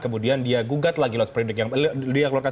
kemudian dia gugat lagi dia keluarkan